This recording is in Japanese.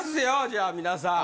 じゃあ皆さん。